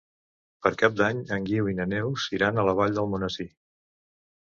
Per Cap d'Any en Guiu i na Neus iran a la Vall d'Almonesir.